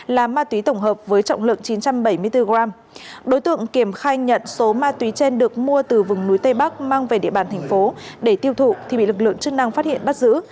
là ma túy tổng hợp với trọng lượng chín trăm bảy mươi bốn g đối tượng kiểm khai nhận số ma túy trên được mua từ vùng núi tây bắc mang về địa bàn thành phố để tiêu thụ thì bị lực lượng chức năng phát hiện bắt giữ